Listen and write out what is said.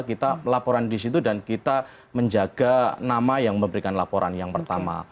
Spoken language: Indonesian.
kita laporan di situ dan kita menjaga nama yang memberikan laporan yang pertama